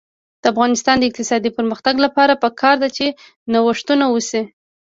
د افغانستان د اقتصادي پرمختګ لپاره پکار ده چې نوښتونه وشي.